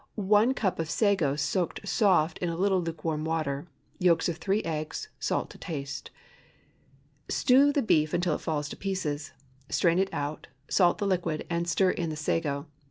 1 cup of sago, soaked soft in a little lukewarm water. Yolks of three eggs. Salt to taste. Stew the beef until it falls to pieces; strain it out, salt the liquid and stir in the sago.